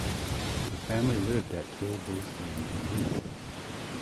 The family lived at Tolbooth Wynd in Leith.